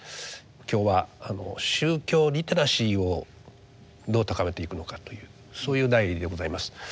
今日は宗教リテラシーをどう高めていくのかというそういう題でございます。